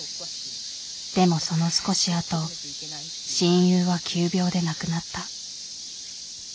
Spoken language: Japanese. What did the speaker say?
でもその少しあと親友は急病で亡くなった。